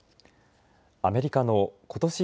アメリカのことし